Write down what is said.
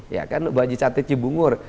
ya kan bu haji sate cibungur